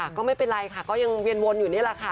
ก็ไม่เป็นไรค่ะก็ยังเวียนวนอยู่นี่แหละค่ะ